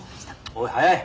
おい速い！